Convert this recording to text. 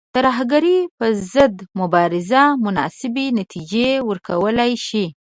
ترهګرۍ پر ضد مبارزه مناسبې نتیجې ورکولای شي.